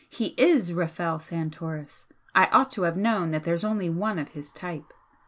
He IS Rafel Santoris I ought to have known that there's only one of his type!